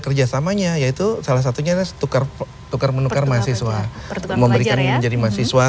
kerjasamanya yaitu salah satunya tukar tukar menukar mahasiswa memberikan menjadi mahasiswa